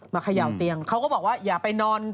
เขย่าเตียงเขาก็บอกว่าอย่าไปนอน